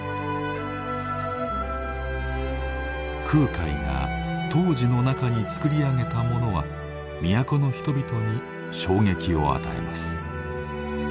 空海が東寺の中につくり上げたものは都の人々に衝撃を与えます。